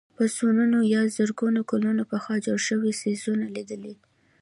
په سوونو یا زرګونو کلونه پخوا جوړ شوي څېزونه لیدلي.